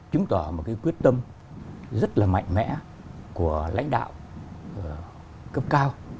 chứng tỏ một cái quyết tâm rất là mạnh mẽ của lãnh đạo cấp cao